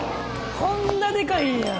こんなでかいんや。